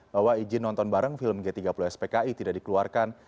bahwa izin nonton bareng film g tiga puluh spki tidak dikeluarkan